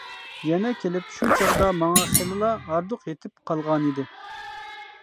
يەنە كېلىپ، شۇ چاغدا ماڭا خېلىلا ھاردۇق يېتىپ قالغانىدى.